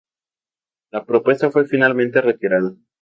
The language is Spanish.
La propuesta fue finalmente retirada.